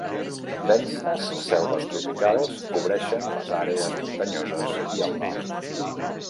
Denses selves tropicals cobreixen les àrees muntanyoses i el nord.